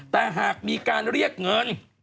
แต่หากมีการเรียกเงิน